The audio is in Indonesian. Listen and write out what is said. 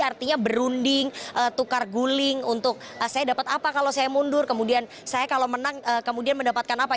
artinya berunding tukar guling untuk saya dapat apa kalau saya mundur kemudian saya kalau menang kemudian mendapatkan apa